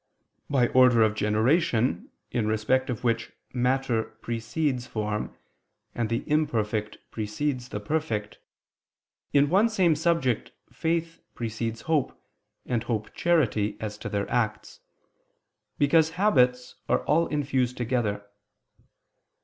By order of generation, in respect of which matter precedes form, and the imperfect precedes the perfect, in one same subject faith precedes hope, and hope charity, as to their acts: because habits are all infused together.